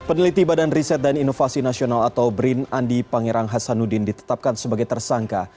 peneliti badan riset dan inovasi nasional atau brin andi pangerang hasanuddin ditetapkan sebagai tersangka